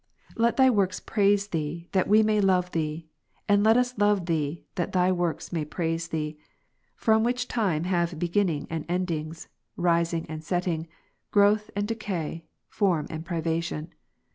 Let Thy works praise Thee, that we may love Thee ; and let us love Thee, that Thy works may praise Thee, which from time have beginning and ending, rising and setting, growth and decay, form and privation.